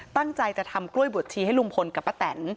ตั้งใจจะทำกล้วยบวชชีให้ลุงพลกับป้าแตน